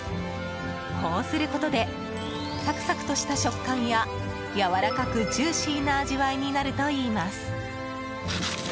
こうすることでサクサクとした食感ややわらかくジューシーな味わいになるといいます。